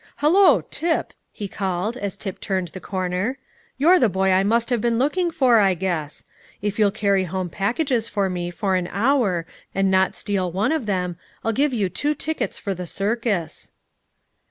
"Hallo, Tip!" he called, as Tip turned the corner; "you're the boy I must have been looking for, I guess. If you'll carry home packages for me for an hour, and not steal one of them, I'll give you two tickets for the circus."